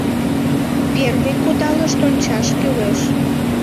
Первый кудалышт ончаш кӱлеш.